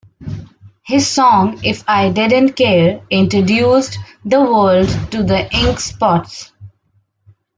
His song, "If I Didn't Care", introduced the world to The Ink Spots.